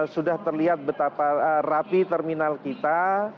sudah terlihat betapa rapi terminal kita